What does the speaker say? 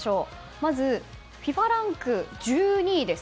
まず、ＦＩＦＡランク１２位です。